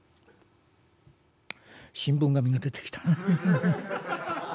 新聞紙が出てきた」。